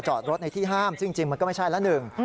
จอดรถในที่ห้ามซึ่งจริงมันก็ไม่ใช่ละหนึ่ง